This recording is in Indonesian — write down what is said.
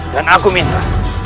dan aku minta